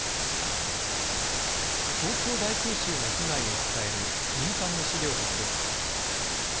東京大空襲の被害を伝える民間の資料館です。